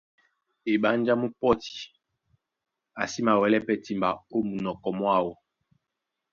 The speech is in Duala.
Eɓánjá mú pɔ́ti, a sí mawɛlɛ́ pɛ́ timba ó munɔkɔ mwáō,